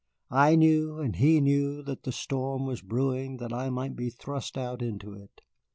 I knew and he knew that the storm was brewing that I might be thrust out into it.